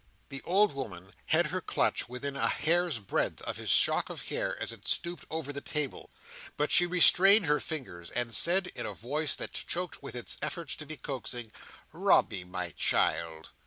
The old woman had her clutch within a hair's breadth of his shock of hair as it stooped over the table; but she restrained her fingers, and said, in a voice that choked with its efforts to be coaxing: "Robby, my child."